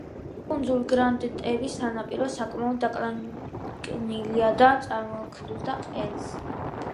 კუნძულ გრანდ-ტერის სანაპირო საკმაოდ დაკლაკნილია და წარმოქმნის ბევრ ნახევარკუნძულს და ყელს.